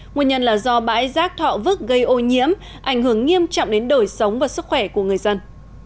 nguyên nhân là do bãi rác thọ vứt gây ô nhiễm ảnh hưởng nghiêm trọng đến đời sống và sức khỏe của người dân